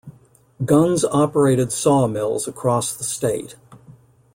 Gunns operated sawmills across the state.